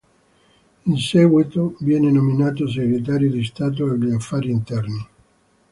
In seguito viene nominato Segretario di Stato agli Affari interni.